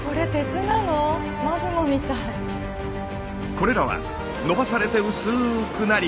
これらはのばされて薄くなり。